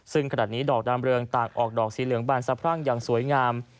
ซึ่งขณะนี้ดอกดามเรืองต่างออกดอกสีเหลืองบานสะพรั่งอย่างสวยงาม